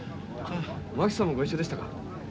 真紀さんもご一緒でしたか。